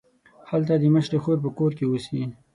هلته د مشرې خور په کور کې اوسي.